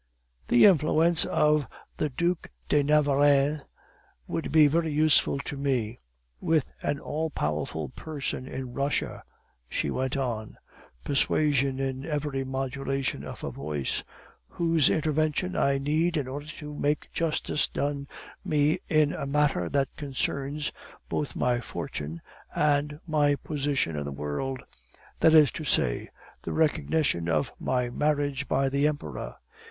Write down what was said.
"'The influence of the Duc de Navarreins would be very useful to me, with an all powerful person in Russia,' she went on, persuasion in every modulation of her voice, 'whose intervention I need in order to have justice done me in a matter that concerns both my fortune and my position in the world, that is to say, the recognition of my marriage by the Emperor.